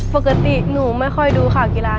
ปกติหนูไม่ค่อยดูข่าวกีฬา